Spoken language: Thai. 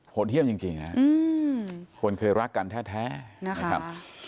โหดเยี่ยมจริงนะครับคนเคยรักกันแท้นะครับ